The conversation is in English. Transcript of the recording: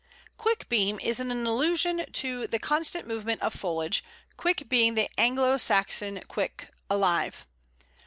Quickbeam is in allusion to the constant movement of foliage, quick being the Anglo Saxon cwic, alive.